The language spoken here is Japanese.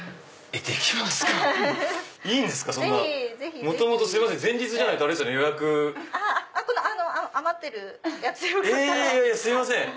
えすいません！